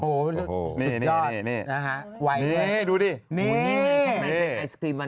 ปรากฏนะฮะ